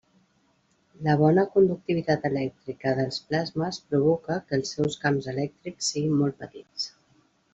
La bona conductivitat elèctrica dels plasmes provoca que els seus camps elèctrics siguin molt petits.